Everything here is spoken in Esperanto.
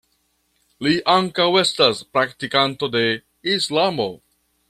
Li ankaŭ estas praktikanto de islamo.